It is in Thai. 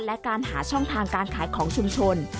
และการหาช่องทางการขายของชุมชน